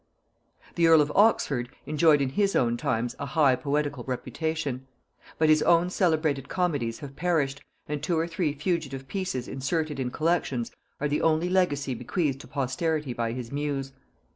] The earl of Oxford enjoyed in his own times a high poetical reputation; but his once celebrated comedies have perished, and two or three fugitive pieces inserted in collections are the only legacy bequeathed to posterity by his muse.